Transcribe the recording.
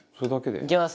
いきます。